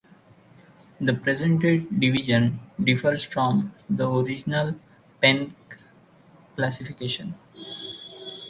The present-day division differs from the original Penck classification.